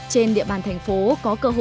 trên địa bàn thành phố có công nghiệp